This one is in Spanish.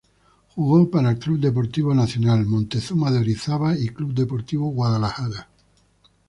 Jugó para el Club Deportivo Nacional, Moctezuma de Orizaba y Club Deportivo Guadalajara.